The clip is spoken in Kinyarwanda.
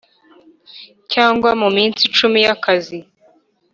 cyangwa mu minsi cumi y akazi